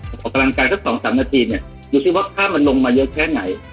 ออกกำลังกายสัก๒๓นาทีเนี่ยดูสิว่าผ้ามันลงมาเยอะแค่ไหน